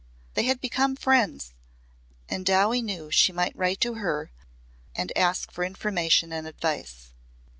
They had become friends and Dowie knew she might write to her and ask for information and advice.